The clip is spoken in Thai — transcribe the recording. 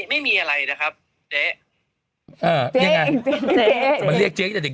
ไม่มีอะไรนะครับเจ๊